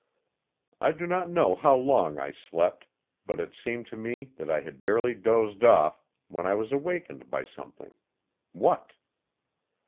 I do not know how long I slept, but it seemed to me that I had barely dozed off when I was awakened by something what?